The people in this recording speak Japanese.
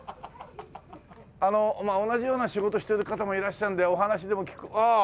あの同じような仕事してる方もいらっしゃるのでお話しでもああ！